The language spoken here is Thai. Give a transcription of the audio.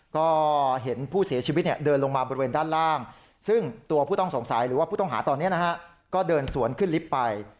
ก็เห็นผู้เสียชีวิตเดินลงมาบริเวณด้านล่างซึ่งตัวผู้ต้องสงสัยหรือว่าผู้ต้องหาตอนนี้นะฮะก็เดินสวนขึ้นลิฟต์ไป